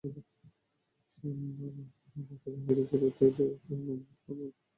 সোমবার রাতে জাহাঙ্গীরকে সিলেটের এমএজি ওসমানী মেডিকেল কলেজ হাসপাতালে পাঠানো হয়েছে।